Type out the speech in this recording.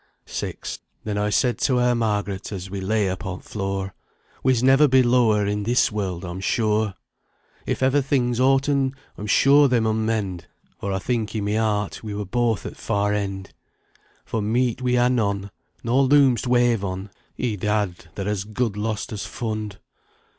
VI. Then oi said to eawr Marget, as we lay upo' t' floor, "We's never be lower i' this warld, oi'm sure, If ever things awtern, oi'm sure they mun mend, For oi think i' my heart we're booath at t' far eend; For meeat we ha' none; Nor looms t' weyve on, Edad! they're as good lost as fund."